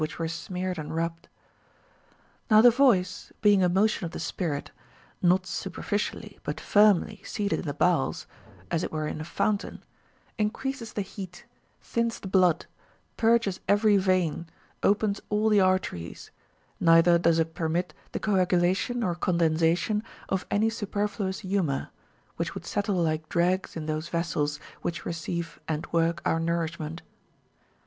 which were smeared and rubbed* Now the voice, being a motion of the spirit, not superficially but firmly seated in the boAvels, as it Avere in a fountain, increases the heat, thins the blood, purges every vein, opens all the arteries, neither does it permit the coagulation or condensation of anv superfluous humor, which would settle like dregs in those vessels which receive and work our nourishment.